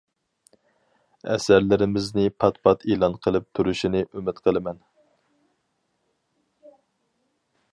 ئەسەرلىرىمىزنى پات-پات ئېلان قىلىپ تۇرۇشىنى ئۈمىد قىلىمەن.